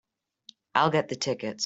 I'll get the tickets.